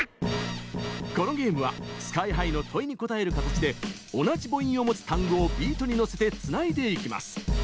このゲームはＳＫＹ‐ＨＩの問いに答える形で同じ母音を持つ単語をビートに乗せてつないでいきます。